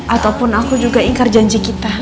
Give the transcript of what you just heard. ataupun aku juga ingkar janji kita